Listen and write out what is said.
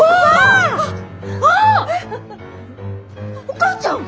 お母ちゃん！